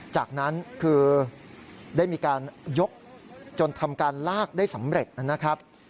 จากนั้นคือได้มีการยกจนทำการลากได้สำเร็จนะครับ